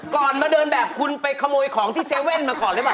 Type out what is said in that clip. ก่อนมาเดินแบบคุณไปขโมยของที่เซเว่นมาก่อนเลยป่ะ